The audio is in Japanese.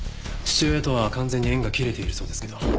父親とは完全に縁が切れているそうですけど。